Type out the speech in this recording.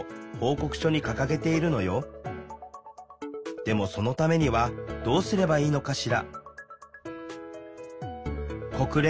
でもそのためにはどうすればいいのかしら？